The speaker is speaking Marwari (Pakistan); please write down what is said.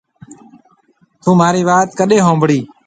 ٿُون مهارِي وات ڪڏي هونبڙِي۔